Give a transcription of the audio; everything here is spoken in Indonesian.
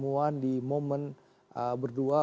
belum bertemu di momen berdua